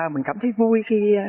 mình cảm thấy vui khi